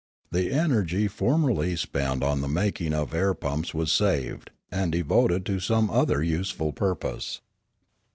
The energy formerly spent on the making of air pumps was saved, and de voted to some other useful purpose.